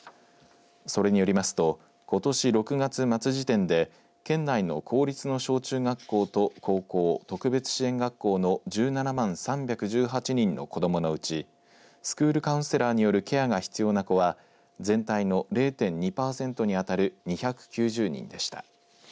それによりますとことし６月末時点で県内の公立の小中学校と高校特別支援学校の１７万３１８人の子どものうちスクールカウンセラーによるケアが必要な子は全体の０．２パーセントに当たる２９０人でした。